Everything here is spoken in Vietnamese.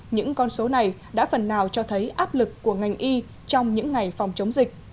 những con số này đã phần nào cho thấy áp lực của ngành y trong những ngày phòng chống dịch